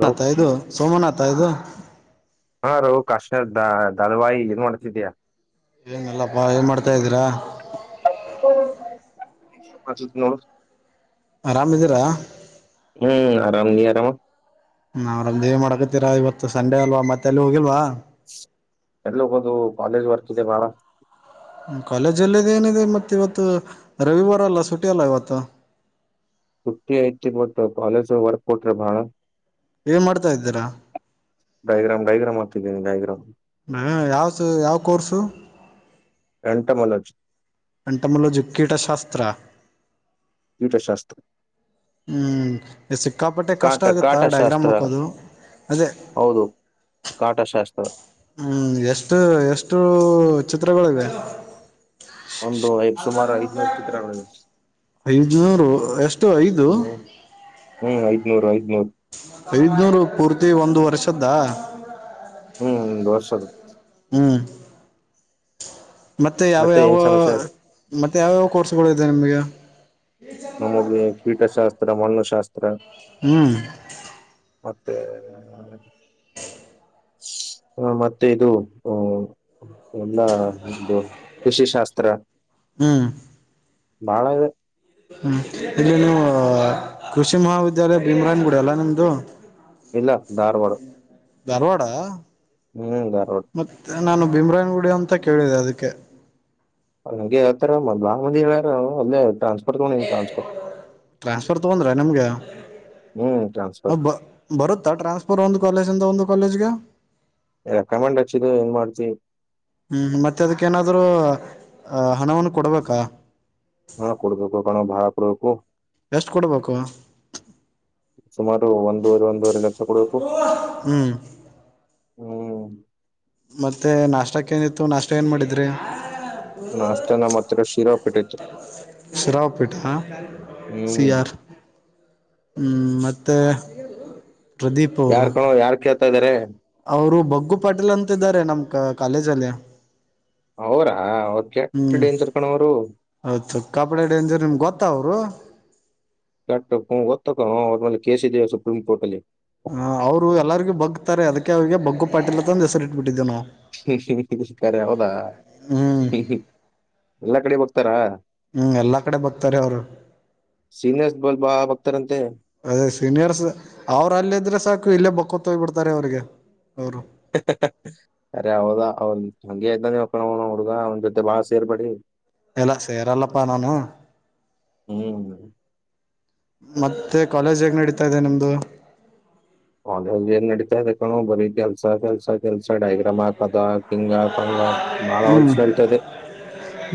Hello ಐದು ಸೋಮನಾಥ ಐದು ಕಷ್ಟ ದ ದಲವಾಯಿ ಏನ್ ಮಾಡ್ತಿದಯಾ ಏನಲ್ಲಪ್ಪಾ ಏನ್ ಮಾಡ್ತಾ ಇದೀರಾ ನ ಆರಾಮ ಇದೀರಾ ಹ್ಮ್ ಆರಾಮ ನೀ ಆರಾಮ ನಾವ್ರಮ್ದೇ ಮಾಡ್ಕತೀರಾ ಇವತ್ತು ಸಂಡೆ ಅಲ್ವಾ ಮತ್ತೆ ಅಲ್ಲಿ ಹೋಗಿಲ್ವಾ ಎಲು ಬುದುು ಕಾಲಜ್ ವರ್ಕಿಿದೆ ಮಾರ ಕಾಲೇಜಲ್ಲಿದ್ದೇಏನಿದೆ ಮತ್ತೆ ಇವತ್ತು ರವಿವಾರ ಅಲ್ಲ ಸುಟಿ ಅಲ್ಲ ಇವತ್ತು ತೃಪ್ತಿಿ ಐತಿ ಮಟ್ಟ ಕಾಲೇಜು ಹೊರ್ಕ್ ಕೊಟ್ರೆ ಬಾಳ ಏನ್ ಮಾಡ್ತಾ ಇದ್ದೀರಾ ಗೈಗ್ರಾಮ್ತಿದ್ದೀನಿ ಗೈಗ್ರ್ ಹ ಯಾವಸ ಯಾವ ಕೋರ್ಸು ಎಂಟ ಮನೋಜ ಎಂಟಮಲು ಜುಕ್ಕೀಟಶಾಸ್ತ್ರ ಕೀಥಶಾಸ್ತ್ರ ಹ್ಮ್ ಸಿಕ್ಕಾಪಟ್ಟೆ ಕಷ್ಟ ಕಾಟ ಆಗುತ್ತಾ ಡಯಾಗ್ರಾಮ್ ಕಾಟಶಾಸ್ತ್ರ ಹಾಕೋದು ಅದೇ ಹೌದು ಕಾಟಶಾಸ್ತ್ರ. ಹ್ಮ್ ಎಷ್ಟು ಎಷ್ಟೂ ಚಿತ್ರಗಳಿವೆ. ಒಂದು ಐದ್ ಸುಮಾರು ಐದ್ನೂರು ಚಿತ್ರಗಳು ಐದುನೂರು ಎಷ್ಟು ಐದು. ಹ್ಮ್ ಹ್ಮ್ ಐದ್ನೂರು ಐದ್ನೂರ್. ಐದ್ನೂರು ಪೂರ್ತಿ ಒಂದು ವರ್ಷದ್ದಾ. ಹ್ಮ್ [inaudible] ಹ್ಮ್. ಮತ್ತೆ ಯಾವ ಯಾವ ಏನ್ ಸಮಾಚಾರ ಮತ್ತೆ ಯಾವ್ಯಾವ ಕೋರ್ಸ್ಗಳು ಇದಾವೆ ನಿಮ್ಗೆ. ನಮಗೆ ಪೀಟಶಾಸ್ ತ್ರ ಮಣ್ಣುಶಾಸ್ತ್ರ. ಹ್ಮ್ ಮತ್ತೆ ಮತ್ತೆ ಇದು ಆ ಎಲ್ಲಾ ಒಂದು ಕೃಷಿಶಾಸ್ತ್ರ. ಹ್ಮ್ ಬಾಳ ಇವೆ. ಹ್ಮ್ ಇಲ್ಲಿ ನೀವು ಕೃಷಿ ಮಹಾವಿದ್ ದ್ಯಾಲಯ ಭೀಮ್ರಾಯನ್ ಗುಡಿ ಅಲಾ ದು ಇಲ್ಲ ಧಾರವಾಡ. ಧಾರ್ವಾಡಾ. ಹ್ಮ್ ದಾರ್ವಾಡ್. ನಾನು ಭೀಮ್ರಾಯನ್ ಗುಡಿ ಅಂತ ಕೇಳಿದೆ ಅದಿಕ್ಕೆ. ಹಂಗೆ ಆತರ ಬಾಳ ಮಂದಿ ಅದಾರೋ ಅಲ್ಲೇ ದಾ ಏ ಟ್ರಾನ್ಸ್ಫರ್ ತಗೊಂದ್ ರ ನಮ್ಗೆ. ಹ್ಮ್ ಟ್ರಾನ್ಸ್ಫರ್ ಅವ್ದ್ ಬ ಬರುತ್ತಾ ಟ್ರಾನ್ಸ್ಫರ್ ಒಂದ್ ಕಾಲೇಜಿಂದ ಒಂದು ಕಾಲೇಜಿಗೆ. ರೆಕಮೆಂಡ್ ಹಚ್ಚಿದೆ ಹೆಂಗ್ ಮಾಡ್ತಿ. ಹ್ಮ್ ಮತ್ತೆ ಅದಕ್ಕೇನಾದ್ರೂ ಆ ಹಣವನ್ನು ಕೊಡ್ಬೇಕಾ. ಹಾ ಕೊಡ್ಬೇಕು ರೊಕ್ಕನಾ ಭಾಳ್ ಕೊಡ್ಬೇಕು. ಎಷ್ಟು ಕೊಡ್ಬೇಕು ಸುಮಾರು ಒಂದುವರೆ ಒಂದೂವರೆ ಲಕ್ಷ ಕೊಡ್ಬೇಕು. ಹ್ಮ್ ಹ್ಮ್ ಮತ್ತೆ ನಾಷ್ಟಕ್ ಏನಿತ್ತು ನಾಷ್ಟ ಏನ್ ಮಾಡಿದ್ರಿ. ನಾಷ್ಟ ನಮ್ಮತ್ರ ಶಿರಪ್ ಉಪ್ಪಿಟ್ಟಿತ್ತು. ಶಿರಾ ಉಪ್ಪಿಟ್ಟಾ ಹ್ಮ್ ಸಿಯಾರ್. ಹ್ಮ್ ಮತ್ತೆ. ಪ್ರದೀಪ್ ಅವ್ರು ಯಾರ್ ಕಣೋ ಯಾರ್ ಕೇಳ್ತಾ ಇದಾರೆ ಅವ್ರು ಬಗ್ಗು ಪಾಟೀಲ್ ಅಂತಿದ್ದಾರೆ ನಮ್ ಕಾ ಕಾಲೇಜಲ್ಲಿ ಅವ್ರಾ ಅವ್ರ ಹೂ ಕೆಟ್ಟ ಡೇಂಜರ್ ಕಣೋ ಅವ್ರು ಹೌದು ಸಿಕಾಪಟ್ಟೆ ಡೇಂಜರ್ ಅವರು ನಿಮಗ ಗೊತ್ತಾ ಅವರು ಕಾಟ್ಟ ಹೂ ಗೊತ್ತಾದ ಹೂ ಅವರ ಮೇಲೆ ಕೇಸ್ ಇದೆ ಸುಪ್ರೀಂ ಕೋರ್ಟ್ ಅಲ್ಲಿ ಹ ಅವ್ರು ಎಲ್ಲರಿಗೂ ಬಗ್ತಾರೆ ಅದಕ್ಕೆ ಅವ್ರರಿಗೆ ಬಗ್ಗು ಪಾಟೀಲಾಂತ ಅಂದು ಹೆಸರಿ ಇಟ್ಬಿಟ್ಟು ಹ ಖರೆ ಹೌದಾ ಹ್ಮ್ ಹ ಹ ಎಲ್ಲಾ ಕಡೆ ತಾರಾ ಹ್ಮ್ ಎಲ್ಲಾ ಕಡೆ ಬಕ್ತಾರೆ ಅವರು ಸೀನಿಯರ್ಸ್ ಬಲ್ ಬಾ ಬಗ್ತಾರಂತೆ ಅದೇ ಸೀನಿಯರ್ಸ್ ಅವ್ರ ಅಲ್ಲ ಇದ್ರೆ ಸಾಕು ಇಲ್ಲೇ ಬಗ್ ಕೊತೋ ಹೋಗ್ ಬಿಡ್ತಾರೆ ಅವ್ರಿಗೆ ಅವ್ರು ಅರೆ ಹೌದಾ ಅವನ್ ಹಂಗೆ ಆಯ್ತ ನೀವಕನ ಹುಡ್ಗ ಅವ್ನ ಜೊತೆ ಬಾಳ ಸೇರ್ಬೇಡಿ ಇಲ್ಲಾ ಸೆರಲ್ಲಪ ನಾನು ಹ್ಮ್ ಮತ್ತೆ ಕಾಲೇಜ್ ಹೇಗ್ ನಡೀತಾ ಇದೆ ನಿಮ್ದು ಅವಲ್ಲಿ ಏನ್ ನಡೀತಾ ಇದೆ ಕಣು ಬರೀ ಕೆಲ್ಸ ಕೆಲ್ಸ ಕೆಲ್ಸ ಡೈಗ್ರಾಮ್ ಹಾಕೋದು ಹಿಂಗ ಹಾಕ್ ಹಂಗ ಹಾಕ್ ಹ್ಮ್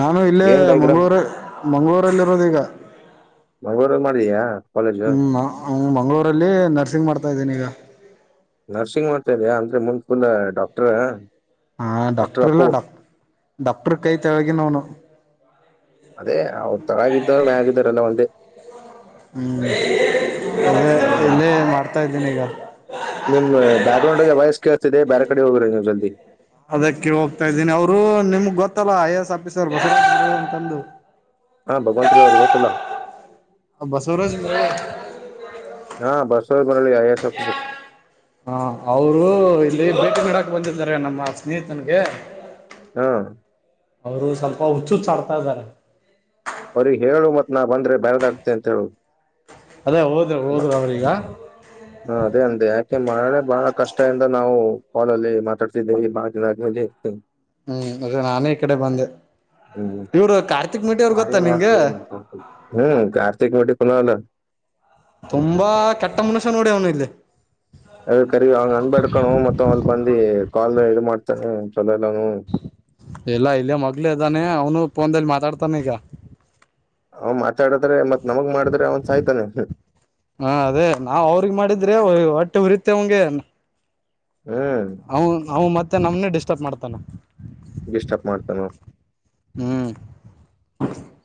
ನಾನು ಇಲ್ಲೇ ಏನ್ ಡೈಗ್ರಾಮ್ ಮಂಗ್ಗಳೂರು ಮಂಗಳೂರಲ್ಲಿರೋದ ಈಗ ಮಂಗಳೂರಲ್ಲಿ ಮಾಡಿದ್ಯಾ ಕಾಲೇಜ್ ಹ್ಮ ಮಂಗಳೂರಲ್ಲಿ ನರ್ಸಿಂಗ್ ಮಾಡ್ತ ಮಾಡ್ತಾ ಇದೀನಿ ಈಗ ನರ್ಸಿಂಗ್ ಮಾಡ್ತಾ ಇದ್ಯಾಾ ಅಂದ್ರೆ ಮುಂದ್ ಫುಲ್ ಡಾಕ್ಟರ್ ಹಾ ಡಾಕ್ಟರ್ ಇಲ್ಲ ಡಾಕ್ ಡಾಕ್ಟರ್ ಕೈ ತೆಲಗಿನವ ಅನು ಅದೇ ಅವ್ ತಳಗಿದವರು ಮ್ಯಾಗಿದ್ದವರೆಲ್ಲ ಎಲ್ಲಾ ಒಂದೇ ಹ್ಮ್ [unintelligible] ತಾ ಇದ್ದೇನೆ ಈಗ ನಿಮ್ ಬ್ಯಾಗ್ರೌಂಡ್ಗ ವಯಸ್ ಕೇಳ್ತೀರಿ ಬ್ಯಾರೆ ಕಡೆ ಹೋಗ್ರಿ ನೀವು ಜಲ್ದಿ ಅದಕ್ಕೆ ಹೋಗ್ತಾ ಇದ್ದೀನಿ ಅವ್ರು ನಿಮ್ಗ್ ಗೊತ್ತಲ್ಲ ಐ ಎ ಎಸ್ ಆಫೀಸರ್ [unintelligible] ಹಾ ಭಗವಂತ ಅವ್ರ ಗೊತ್ತಲ್ಲ ಬಸವರಾಜ [unintelligible] ಹಾ ಬಸವ ಬೆರಳಿಗೆ ಐ ಎ ಎಸ್ ಆಫೀಸರ್ ಹಾ ಅವ್ರು ಇಲ್ಲಿ ಬಿಟ್ಟ ಬಿಡಾಕ್ ಬಂದಿದ್ದಾರೆ ನಮ್ಮ ಸ್ನೇಹಿತನ್ಗೆ ಹಾ ಅವರು ಸ್ವಲ್ಪ ಹುಚ್ಚು ಹುಚ್ಚು ಆಡ್ತಾ ಇದ್ದಾರೆ ಅವ್ರಿಗೆ ಹೇಳು ಮತ್ ನಾ ಬಂದ್ರೆ ಬ್ಯಾರೆದಾಗತೆ ಅಂತ ಹೇಳು ಅದೇ ಹೋದ್ರು ಹ ಹೋದ್ರು ಅವ್ರೀಗ ಅದೇ ಅಂದೆ ಯಾಕೆ ಮಳೆ ಬಹಳ ಕಷ್ಟ ಇಂದ ನಾವು ಹಾಲಲ್ಲಿ ಮಾತಾಡ್ತಿದ್ದೇವಿ ಬಾಳ್ ದಿನಾ ಆದಮೇಲೆ ಹೂ ಅದೆ ನಾನೇ ಈ ಕಡೆ ಬಂದೆ ಇವರು ಕಾರ್ ಹೂ ಕಾರ್ತಿಕ ಖುನಾ ಹನಾ ಅಲಾ ತುಂಬಾ ಕೆಟ್ಟ ಮನುಷ್ಯ ನೋಡಿ ಅವನು ಇಲ್ಲಿ ಏ ಕರಿ ಅವನಿಗೆ ಹಂಗ ಅನ್ಬೇಡ್ ಕಣೋ ಮತ್ತ್ ಅವ್ ಅಲ್ಲಿ ಬಂದಿ ಕಾಲ್ ಇದು ಮಾಡ್ತ ಎಲ್ಲ ಇಲ್ಲಿ ಮಗ್ಳ ಇದ್ದಾನೆ ಅವನು ಫೋನ್ದಲ್ಲಿ ಮಾತಾಡ್ತ ತನಗ ಹ ಮಾಡ ಹಾ ಅದೇ ನಾವ ಅವ್ರಿಗೆ ಮಾಡಿದ್ರೆ ಒಟ್ಟ ಹೊಟ್ಟೆ ಹುರಿತ್ತೆ ಅಂವನ್ಗೆ ಹ್ಮ್ ಹ ಅವ ಮತ್ತೆ ಮತ್ತೆ ನಮ್ಮ್ನೆ ಡಿಸ್ಟರ್ಬ್ ಮಾಡ್ತಾನ ಡಿಸ್ಟಬ್ ಮಾಡ್ತಾನ ಹ್ಮ್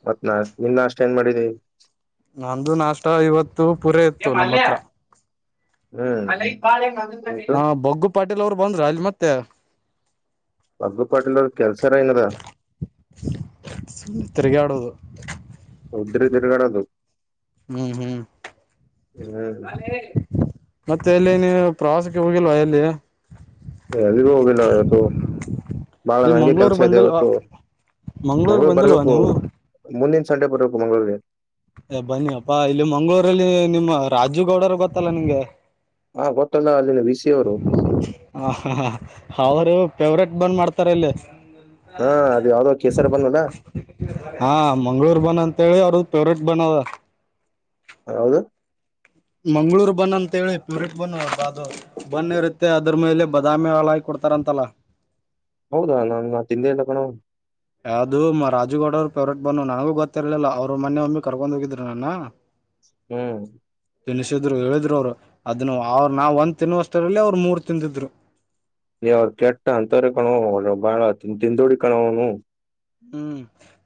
ಹತ್ನಾ ನಿನ್ನ ಅಷ್ಟ ಏನ್ ಮಾಡಿದೀ ನಂದು ನಾಷ್ಟ ಇವತ್ತು ಪುರ ಇತ್ತು ನಮ್ಮ ಹತ್ರ ಅಲ್ಲ ಈ ಬಾಳ ಹಾ ಬೊಗ್ಗು ಪಾಟೀಲ್ ಅವ್ರು ಬಂದ್ರ ಅಲ್ಲಿ ಮತ್ತೆ ಅಬ್ಗ ಪಾಟಿಲ್ಲ ಕೆಲ್ಸ ತಿರ್ಗಡೋದು ಹೌದ್ರ ತಿರುಗಡೆದುು ಹ್ಮ್ ಹ್ಮ್ ಹ ಮತ್ತೆ ಎಲ್ಲಿ ನೀವು ಪ್ರವಾಸಕ್ಕೆ ಹೋಗಿಲ್ವಾ ಎಲ್ಲಿ ಎಲ್ಲಿಗೂ ಹೋಗಿಲ್ಲ ಇವತ್ತು ಬಾಳ ಇಲ್ಲಿ ನಂಗೆ ಮಂಗ್ಗಳೂರ್ ಕೆಲ್ಸ ಇದೆ ಬಂದಿಲ್ವಾ ಇವತ್ತು ಮಂಗ್ಗಳೂರ್ ಮಂಗಗಳ ಬಂದಿಲ್ವಾ ಬರ್ಬೇಕು ನೀವು ಮುಂದಿನ ಸಂಡೆ ಬರ್ಬೇಕು ಮಂಗಳೂರಿಗೆ ಏ ಬನ್ನಿಪ್ಪಾ ಇಲ್ಲಿ ಮಂಗಗಳೂರಲ್ಲಿ ನಿಮ್ಮ ರಾಜುಗೌಡರು ಗೊತ್ತಲ್ಲ ನಿಂಗೆ ಹಾ ಗೊತ್ತಲ್ಲ ಅಲ್ಲಿನ ವಿ ಸಿ ಅವರು ಹ ಅವರು ಫೆವ್ರೇಟ್ ಬಂದ್ ಮಾಡ್ತಾರೆ ಇಲ್ಲಿೇ ಹಾ ಅದು ಯಾವ್ದೋ ಕೇಸರ್ ಬಂದಲ್ಲ ಹಾ ಮಂಗ್ಗಳೂರ್ ಬಂದ ಅಂತೇಳಿ ಅವರು ಪೇವರಟ್ ಬನ ಹೌನು ಮಂಗ್ಳೂರ್ ಬನ್ ಅಂತ ಹೇಳಿ ಪಟ್ ಬನ್ ಅದು ಬನ್ ಇರುತ್ತೆ ಅದ್ರ ಮೇಲೆ ಬದಾಮಿ ಹಾಳಾಕಿ ಕೊಡ್ತಾರಂತಲ್ಲ ಹೌದಾ ನಾ ತಿಂದೆ ಎಲ್ಲ ಕಣ ಯಾವವು್ದ ಮ ರಾಜುಗೌಡರು ಫೇವ್ರೇಟ್ ಬನ್ನು ನನಗೂ ಗೊತ್ತಿರ್ಲಿಲ್ಲ ಅವ್ರು ಮೊನೆ ಒಮ್ಮಿ ಕರ್ಕೊಂಡ್ ಹೋಗಿದ್ರು ನನ್ನ ಹ್ಮ್ ತಿನ್ನಿಸಿದ್ರೂ ಹೇಳಿದ್ರು ಅವ್ರು ಅದನ್ನು ಅವರು ನಾವ್ ಒಂದ್ ತಿನ್ನವಷ್ಟರಲ್ಲಿ ಅವ್ರು ಮೂರ್ ತಿಂದಿದ್ರು ನೀ ಅವ್ರ ಕೆಟ್ಟ ಅಂತರ ಕಣ ಬಾಳ ತಿಂದೂಳಿ ಕನೋ ಅವ್ನು ಹ್ಮ್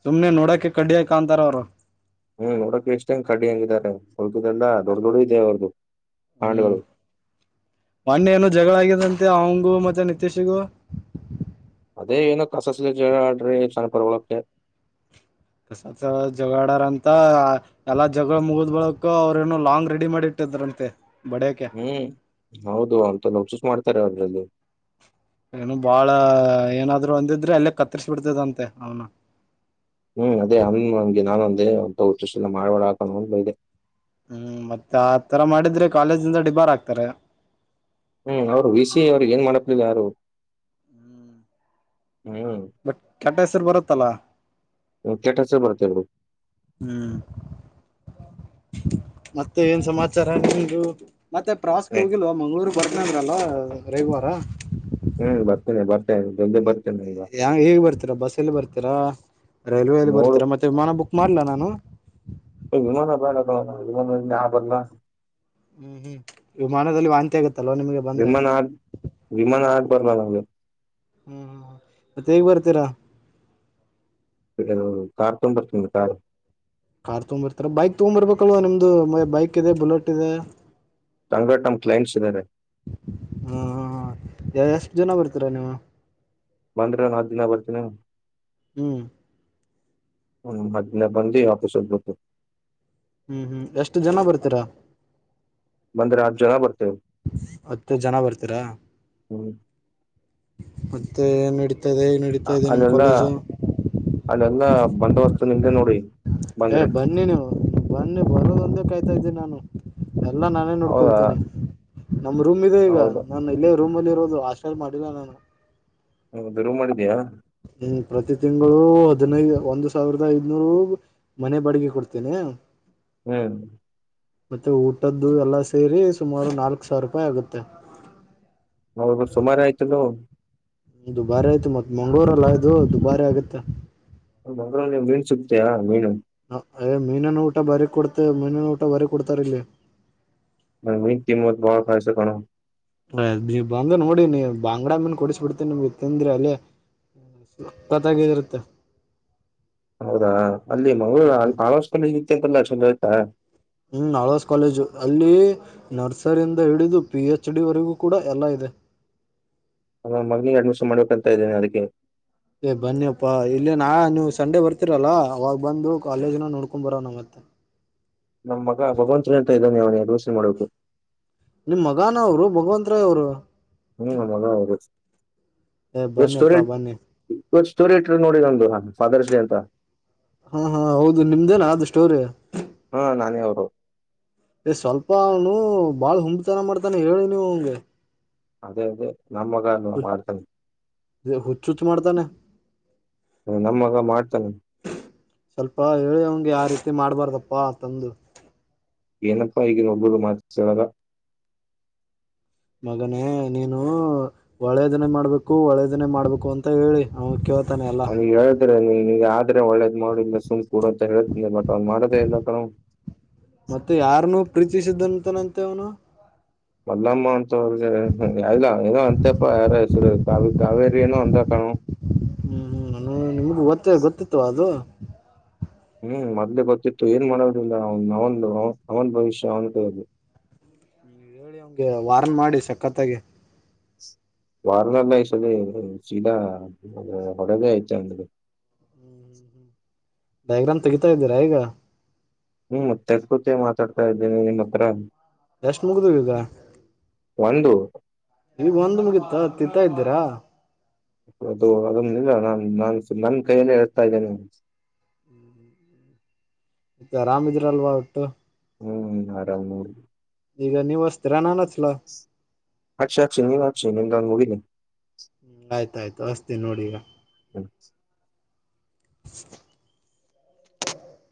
ಸುಮ್ನೆ ನೋಡಕೆ ಕಡ್ಡಿಯ ಕಾಣಂತಾರ ಅವರು ಹ್ಮ್ ನೋಡಕ್ ಎಷ್ಟ ಹೆಂಗ್ ಕಡ್ಡಿ ಹಂಗಾರೆ ಹೊಲ್ಪದೆಲ್ಲಾ ದೊಡ್ಡ ದೊಡ್ಡ ಇದೇ ಅವ್ರ್ದು ಹ್ಮ್ ಹಾಂಡಗಳು ಮತ್ತೆ ಅವಂಗೂ ಮತ್ತೆ ನಿತಶಿಗೂ ಅದೇ ಏನೋ ಕಸಸ ಜ ಆಡ್ರಿ ಸಣ್ಣಪರ್ಗಳಕ್ಕೆ ಕಸತ್ ಜಗಳಾಡರಂತ ಎಲ್ಲಾ ಜಗಳ ಮುಗುದ್ ಬಳಕ ಅವ್ರೇನನು ಲಾಂಗ್ ರೆಡಿ ಮಾಡಿಟ್ಟಿದ್ರಂತೆ ಹ್ಮ್ ಹೌದು ಅಂತ ನಸೂಸ್ ಮಾಡ್ತಾರೆ ಅದ್ರಲ್ಲಿ ಏನು ಬಾಳ ಏನಾದ್ರು ಅಂದಿದ್ರೆ ಅಲ್ಲೇ ಕತ್ತರ್ಸ್ ಬಿಡ್ತದಂತೆ ಅವ್ನ ತೊ ಪ್ರಷ್ಟಿದ್ನ ಮಾಡ್ಬೇಡಾ ಕಣೋಂತ್ ಬೈದೆ ಹ್ಮ್ ಮತ್ತೆ ಆತರ ಮಾಡಿದ್ರೆ ಕಾಲೇಜಿಂದ ಡಿಬಾರಾಗ್ತಾರೆ ಹ್ಮ್ ಅವ್ರು ವಿ ಸಿ ಅವ್ರ ಏನ್ ಮಾಡಪ್ಲಿಲ್ ಯಾರು ಹ್ಮ್ ಬಟ್ ಕೆಟ್ಟಸ್ರು ಬರುತ್ತಲ್ಲ ಕೆಟ್ಟಸ್ರ್ ಬರುತ್ತೆ ಬುಡು ಹ್ಮ್ ಮತ್ತೆ ಏನ್ ಸಮಾಚಾರ ನಿಂದು ಮತ್ತೆ ಪ್ರವಾಸ್ಕೊಗಿಲ್ವಾ ಮಂಗ್ಳುರ್ ಬರ್ತ್ ನಂದ್ರಲ್ಲ ರವಿವಾರ ಹ್ಮ್ ಬರ್ತೇನೆ ಬರ್ತೇನೆ ನೆನ್ನೆ ಬರ್ ಯ ಹ್ಯಾಂಗ್ ಈಗ್ ಬರ್ತಿರಾ ಬಸ್ ಲ್ಲಿ ಬರ್ತೀರಾ ರೈಲ್ವೆಯಲ್ಲಿ ನೋಡು ಬರ್ತಿರ ಮತ್ತೆ ವಿಮಾನ ಬುಕ್ ಮಾಡ್ಲಾ ನಾನು ವಿಮಾನ ಬ್ಯಾಡ ಕಣಪ್ಪ ವಿಮಾನ್ದಾಗ್ ನಾನ್ಬರಲ್ಲ ಅನ್ನಿಸ್ತಿ ಹ್ಮ್ ಹ್ಮ್ ವಿಮಾನದಲ್ಲಿ ವಾಂತಿ ಆಗತ್ ವಿಮಾನ ಆಗ್ ವಿಮಾನ ಆಗ್ಬರಲ್ಲ ನಮ್ಗೆ ಹ್ಮ್ ಹ್ಮ್ ಮತ್ತೇಗ್ ಬರ್ತೀರಾ ಡು ಕಾರ್ ತಗೊಂಬರ್ತೀನ್ನೋಡು ಕಾರು ಕಾರ್ ತಗೊಂಡ್ಬರ್ತೀರ ಬೈಕ್ ತಗೊಂಬರ್ಬೇಕಲ್ವಾ ನಿಮ್ದು ಮೆ ಬೈಕಿದೆ ಬುಲೆಟ್ಟಿಇದೆ ಟಾಂಗರ್ ಟಮ್ ಕ್ಲೈಂಟ್ಸಿದ್ದಾರೆ ಹಾ ಎಷ್ಟು ಜನ ಬರ್ತೀರಾ ನೀವು ಬಂದ್ರೆ ಒಂದ್ ಹತ್ತಿನ ಬರ್ತಿನಿ ಹ್ಮ್ ಹ್ಮ್ ಅ--ದ ಬಂದಿ ಆಫೀಸ್ ಹೋಗ್ಬೇಕು ಹ್ಮ್ ಹ್ಮ್ ಎಷ್ಟು ಜನ ಬರ್ತೀರಾ ಬಂದ್ರೆ ಹತ್ ಜನ ಬರ್ತ್ [inaudible] ಹತ್ತು ಜನ ಬರ್ತೀರಾ ಹ್ಮ್ ಮತ್ತೆ ಎನ್ ನಡಿ ಆ-ಅಲ್ಲೆಲ್ಲ ಅಲ್ಲೆಲ್ಲ ಬಂದಾಬಸ್ತು ನಿಮ್ದೇ ನೋಡಿ ಏ ಬಂದ್ರೆ ಬನ್ನಿ ನೀವು ಬನ್ನಿ ಬರದೊಂದೆ ಕಾಯ್ತ ತಾಯಿದ್ದೆ ನಾನು ಎಲ್ಲಾ ನಾನೇ ಹೌದಾ ನೋಡ್ಕೊಳ್ತೀನಿ ನಮೃಮಿದೆ ಈಗ ಹೌದು ನಾನಿಲ್ಲೇ ರೂಮಲ್ಲಿ ಇದು ಆಶೆಲ್ ಮಾಡಿಲ್ಲ ನಾನು ಹ ಬಿಡುವ್ ಮಾಡಿದ್ದಿಯಾ ಹ್ಮ್ ಪ್ರತಿ ತಿಂಗಳು ಹದಿನೈದು ಒಂದ್ ಸಾವಿರದ ಐದ್ನೂರು ಮನೆ ಬಾಡ್ಗೆ ಕೊಡ್ತೀನಿ ಏನ್ [inaudible] ಮತ್ತೆ ಊಟದ್ದು ಎಲ್ಲಾ ಸೇರಿ ಸುಮಾರು ನಾಲ್ಕು ಸಾವ್ರುಪ್ಪಾಯ್ ಆಗುತ್ತೆ ಹೌದು ಸುಮಾರು ಆಯ್ತಲ್ಲ ದುಬಾರಿ ಆಯ್ತು ಮತ್ ಮಂಗ್ಳೂರಲ್ಲದು ದುಬಾರಿ ಆಗತ್ತೆ ಮಂಗ್ಳೂರಲ್ಲಿ ಮೀನ್ ಸುಕ್ತಿಯಾ ಮೀನು ಮೀನಿನ ಊಟ ಬರ ಕೊಡ್ತ ಮೀನಿನ ಊಟ ಬರೀ ಕೊಡ್ತಾರ ಇಲ್ಲಿ ಮ ವ ಕಿಮ್ಮತ್ ಬರಪಾಯಸಕಣ ಬಂಗ ನೋಡಿ ನೀ ಬಾಂಗಡಾ ಮೀನ್ ಕೊಡಿಸ್ ಬಿಡ್ತೇ ನಿಮಗೆ ತಿಂದ್ರೆ ಅಲ್ಲೇಪತ್ತಾಗಿದಿರತ್ತ ಹೌದಾ ಅಲ್ಲಿ ಮಂಗಳೂರು ಅಲ್ಲಿ ಕಳಸ್ಲ್ಲತಿ ಅಂತಲ್ಲ ಚಲ್ ಆಯ್ತಾ ಹ್ಮ್ ಆಳ್ವಾಸ್ ಕಾಲೇಜು ಅಲ್ಲಿ ನರ್ಸರಿಯಿಂದ ಹಿಡಿದು ಪಿ ಎಚ್ ಡಿವರೆಗೂ ಕೂಡ ಎಲ್ಲ ಇದೆ ನ ಮಗ್ನಿಗೆ ಅಡ್ಮಿಷನ್ ಮಾಡ್ಬೇಕಂತ ಇದ್ದೇನೆ ಅದಕ್ಕೆ ಏ ಬನ್ನಿಪ್ಪಾ ಇಲ್ಲಿ ನಾ ನೀವು ಸಂಡೆ ಬರ್ತೀರಲ್ಲ ಅವಾಗ ಬಂದು ಕಾಲೇಜನ ನೋಡ್ಕೊ್ ಬರ ನ ಮತ್ತೆ ನಮ್ ಮಗ ಭಗವಂತ ಶನ ಅಂತ ಇದ್ದಾನೆ ಅವನ ಅಡ್ಮಿಷನ್ ಮಾಡ್ಬೇಕು ನಿಮ್ಮ್ ಮಗಾನ ಅವರು ಭಗವಂತ ರಾಯ್ ಅವರು ಹು ನಮ್ಮ್ ಮಗ ಅವ್ರೆ ಏ ಬನ್ನಿಪ್ಪಾ ಬನ್ನಿ ಇವ ಸ್ಟೋರಿ ಇಟ್ರು ನೋಡಿ ನಂದು ಫಾದರ್ಸ್ ಡೇ ಅಂತ ಹಾ ಹಾ ಹೌದು ನಿಮ್ದೇನಾ ಅದು ಸ್ಟೋರಿ ಹಾ ನಾನೇ ಅವರು ್ ಸ್ವಲ್ಪನೂ ಬಾಳ್ ಹುಂಬ ತನ ಮಾಡ್ತಾನೆ ಹೇಳಿ ನೀ ಹಗೆ ಹೌದ ನಮ್ಮ ಮಗನು ಮಾಡ್ತನೆ ಹುಚ್ಚುಚ್ಚ ಮಾಡ್ತಾನೆ ಹ ನಮ್ಮ ಮಗ ಮಾಡ್ತಾನೆ ಸ್ವಲ್ಪ ಹೇಳಿ ಅವಂಗೆ ಯಾವ ರೀತಿ ಮಾಡ್ಬಾರ್ದಪ್ಪಾ ತಂದು ಏನಪ್ಪ ಈಗಿನ ಒಬ್ರು ಮಾತಿಸಳಲ್ಲ ಮಗನೇ ನೀನು ಒಳ್ಳೇದಿನೇ ಮಾಡ್ಬೇಕು ಒಳ್ಳೆದಿನೇ ಮಾಡ್ಬೇಕು ಅಂತ ಹೇಳಿ ಅವ ಕ್ಯವ ಹಗ ಹೇಳ್ತರ ನೀಗ ್ರೆ ಒಳ್ಳೇದ್ ಮಾಡಿ ಸುಮ್ ಕೂಡಂತ ಹೇಳೇತನ ಬಟ್ ಅವ್ ಮಾಡೋದೇ ಇಲ್ಲ ಕಣ ತಿಸಿದ್ದಂತನಂತೆವನು ಮಲ್ಲಮ್ಮ ಅಂತಾ ಅಂತಪ್ಪ ಯಾರ ಕಾವೇರಿ ಏನೋ ಅಂತ ಕಣ ಹ್ಮ್ ನಿಮ್ಗೂ ಗೊತ್ತೇ ಗೊತ್ತಿತ್ತು ಅದು ಹ ಹ್ಮ್ ಮೊದ್ಲೆೇ ಗೊತ್ತಿತ್ತು ಏನ್ ಮಾಡೋದಿಲ್ಲ ಅವ ಅವಂದು ಅವನ್ ಭವಿಷ್ಯ ಅವನಂತ ಹೇಳದು ನೀವ್ ಹೇಳಿ ಅವಂಗೆ ವಾರ್ನ್ ಮಾಡಿ ಸಕ್ಕತ್ತಾಗಿ ವಾರನಲ್ಲ ಇಸದೆ ಶೀಡಾ ಹೊಡೆದೇ ಹೆಚ್ಚಂಗದು ಡಯಾಗ್ರಾಮ್ ತೆಗೀತಾ ಇದ್ದೀರಾ ಈಗ ಹ್ಮ್ ಮತ್ತೆ ಕತಿ ಮಾತಾಡ್ತಾ ಇದ್ದೀನಿ ನಿಮ್ಮ್ ಹತ್ರ ಎಷ್ಟ್ ಮುಗಿದವ ಈಗ ಒಂದು ಈಗ ಒಂದ್ ಮುಗಿತ ತತಾ ಇದ್ದೆ ಅದು ಅದೊಂದಲ್ಲ ನಾನ್ ನಾನ್ ನನ್ ಕೈಯಲ್ಲಿ ಹೇಳ್ತಾ ಇದ್ದೇನೆ ಮತ್ತ ರಾಮಿದ್ರ ಅಲ್ವಾ ಒಟ್ಟು ಹ್ಮ್್ಮ ಆರಾಮ್ ನ ಈಗ ನೀವ್ಸ್ತ್ರ ನನ್ [unintelligible] ಹ್ಮ ಆಯ್ತಾಯ್ತು ಹಚ್ಚತಿನಿ ನೋಡ ಈಗ. ಹ್ಮ [inaudible]